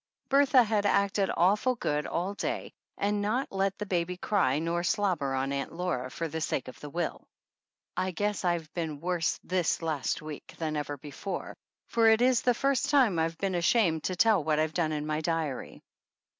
Bertha had acted awful good all day and not let the baby cry nor slobber on Aunt Laura for the sake of the will. I guess I've been worse this last week than ever before, for it is the first time I've been ashamed to tell what I've done in my diary.